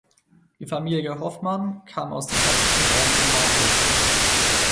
Die Familie Hofmann kam aus dem hessischen Raum um Marburg.